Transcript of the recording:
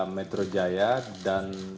metro jaya dan